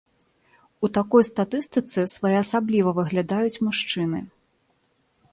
У такой статыстыцы своеасабліва выглядаюць мужчыны.